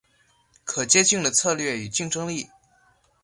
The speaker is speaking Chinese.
可借镜的策略与竞争力